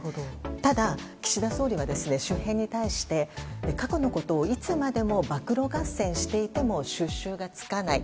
ただ、岸田総理は周辺に対して過去のことをいつまでも暴露合戦していても収拾がつかない。